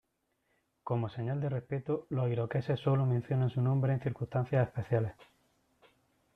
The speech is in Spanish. Como señal de respeto, los iroqueses sólo mencionan su nombre en circunstancias especiales.